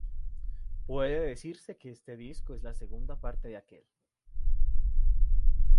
Puede decirse que este disco es la segunda parte de aquel.